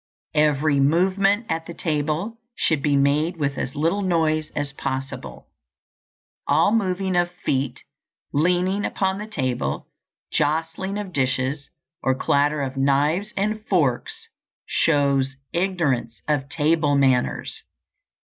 Every movement at the table should be made with as little noise as possible. All moving of feet, leaning upon the table, jostling of dishes, or clatter of knives and forks, shows ignorance of table manners.